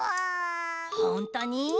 ほんとに？